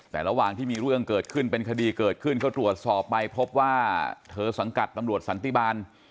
แต่ระหว่างที่มีเรื่องเกิดขึ้นเป็นคดีเกิดขึ้นเขาตรวจสอบไปพบว่าเธอสังกัดตำรวจสันติบาล